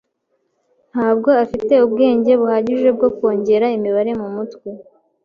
Ntabwo afite ubwenge buhagije bwo kongeramo imibare mumutwe.